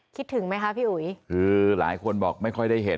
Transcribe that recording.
คิดถึงไหมคะพี่อุ๋ยคือหลายคนบอกไม่ค่อยได้เห็น